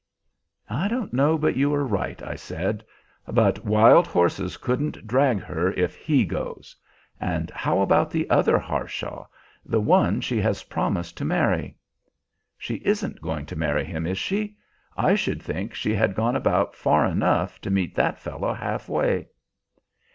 "I don't know but you are right," I said; "but wild horses couldn't drag her if he goes. And how about the other Harshaw the one she has promised to marry?" "She isn't going to marry him, is she? I should think she had gone about far enough, to meet that fellow halfway."